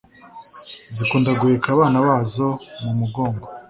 zikunda guheka abana bazo mu mugongo